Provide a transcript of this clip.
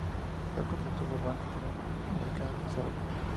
Fue consultor del Banco Interamericano de Desarrollo.